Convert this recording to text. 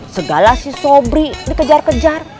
segala si sobri dikejar kejar